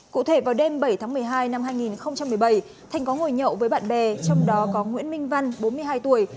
cụ thể vào đêm bảy tháng một mươi hai năm hai nghìn một mươi bảy thanh có ngồi nhậu với bạn bè trong đó có nguyễn minh văn bốn mươi hai tuổi